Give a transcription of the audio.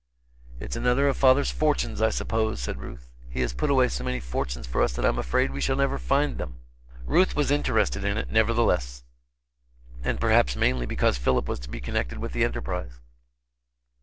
"It's another of father's fortunes, I suppose," said Ruth. "He has put away so many fortunes for us that I'm afraid we never shall find them." Ruth was interested in it nevertheless, and perhaps mainly because Philip was to be connected with the enterprise.